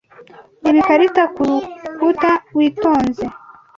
Reba ikarita kurukuta witonze